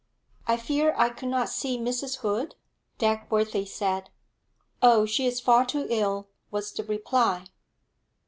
'I fear I could not see Mrs. Hood?' Dagworthy said. 'Oh, she is far too ill!' was the reply.